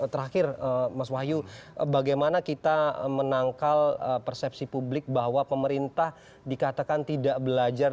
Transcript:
terakhir mas wahyu bagaimana kita menangkal persepsi publik bahwa pemerintah dikatakan tidak belajar